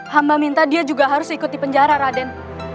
hamba minta dia juga harus ikut di penjara raden